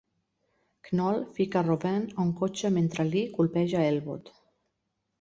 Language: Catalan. Knoll fica Robyn a un cotxe mentre Lee colpeja a Elwood.